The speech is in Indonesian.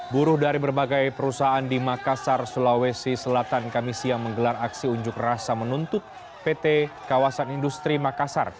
buruh dari berbagai perusahaan di makassar sulawesi selatan kami siang menggelar aksi unjuk rasa menuntut pt kawasan industri makassar